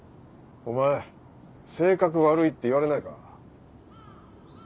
お前性格悪いって言われないか？